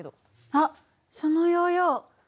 あっそのヨーヨー。